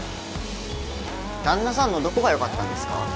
旦那さんのどこがよかったんですか？